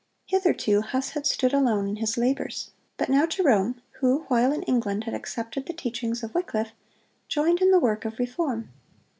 Hitherto Huss had stood alone in his labors; but now Jerome, who while in England had accepted the teachings of Wycliffe, joined in the work of reform.